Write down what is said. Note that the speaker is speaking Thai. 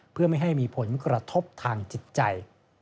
เพื่อไม่ให้มีผลกระทบทางจิตใจ